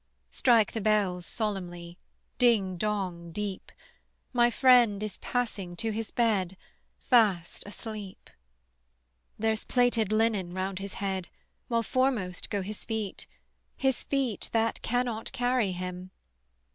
Strike the bells solemnly, Ding dong deep: My friend is passing to his bed, Fast asleep; There's plaited linen round his head, While foremost go his feet, His feet that cannot carry him.